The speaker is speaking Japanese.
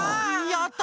やった！